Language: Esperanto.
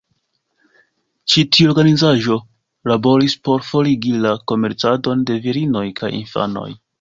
Ĉi tiu organizaĵo laboris por forigi la komercadon de virinoj kaj infanoj.